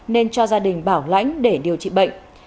nên cho gia đình bảo lãnh để điều trị bệnh